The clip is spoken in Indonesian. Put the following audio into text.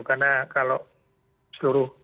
karena kalau seluruh